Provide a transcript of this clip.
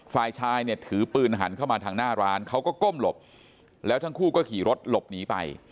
ฝ่ายชายเนี่ยถือปืนหันเข้ามาทางหน้าร้านเขาก็ก้มหลบแล้วทั้งคู่ก็ขี่รถหลบหนีไป